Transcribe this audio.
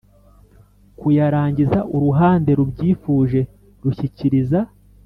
kuyarangiza uruhande rubyifuje rushyikiriza